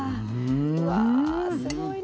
うわすごいな。